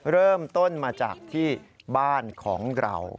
เริ่มต้นมาจากที่บ้านของเรา